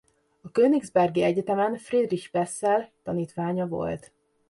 A Königsbergi Egyetemen Friedrich Bessel tanítványa volt.